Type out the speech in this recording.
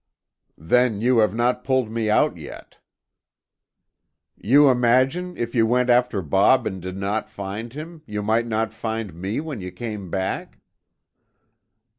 Then you have not pulled out yet." "You imagine if you went after Bob and did not find him, you might not find me when you came back?"